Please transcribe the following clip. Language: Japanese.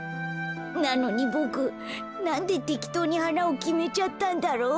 なのにボクなんでてきとうにはなをきめちゃったんだろう。